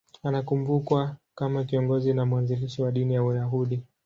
Anakumbukwa kama kiongozi na mwanzilishi wa dini ya Uyahudi.